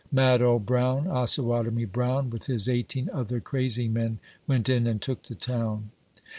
Mad Old Brown, Osawatomie Brown, With his eighteen other crazy men, went in and took the town.